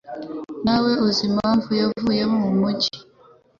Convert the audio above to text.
Ntawe uzi impamvu yavuye mu mujyi.